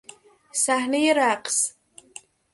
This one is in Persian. صحنهی رقص